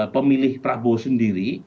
pemilih prabowo sendiri